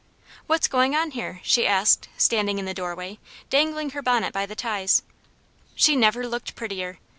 "What's going on here?" she asked, standing in the doorway, dangling her bonnet by the ties. She never looked prettier.